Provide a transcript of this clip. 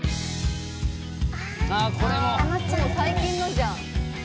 もう最近のじゃん。